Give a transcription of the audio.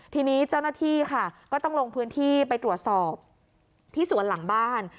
ทีนี้เจ้าหน้าที่ค่ะก็ต้องลงพื้นที่ไปตรวจสอบที่สวนหลังบ้าน